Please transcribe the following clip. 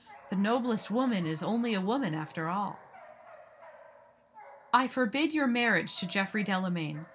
The noblest woman is only a woman, after all! "I forbid your marriage to Geoffrey Delamayn!